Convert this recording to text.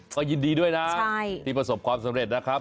ก็ยินดีด้วยนะที่ประสบความสำเร็จนะครับ